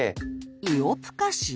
「イオプカシ」？